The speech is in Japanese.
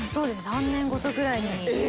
３年ごとぐらいに。